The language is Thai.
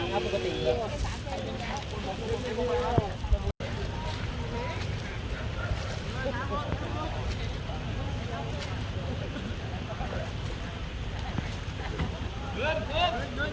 สุดท้ายสุดท้าย